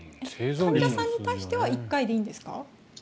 患者さんに対しては１回でいいんですか？